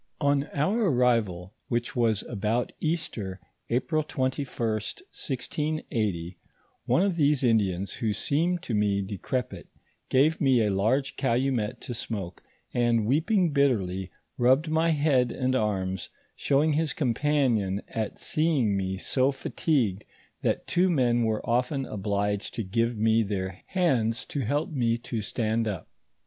On our arrival, which was about Easter, April 21st, 1680,* one of these Indians who seemed to me decrepit, gave me a large calumet to smoke, and weeping bitterly, rubbed my head and arms, showing his compassion at seeing me so fa tigued that two men were often obliged to give me their hands to help me to stand up.